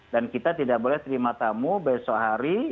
dan kita tidak boleh terima tamu besok hari